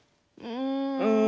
うん。